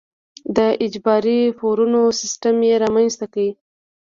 د اجباري پورونو سیستم یې رامنځته کړ.